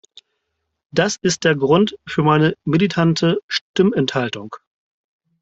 Das ist der Grund für meine militante Stimmenthaltung!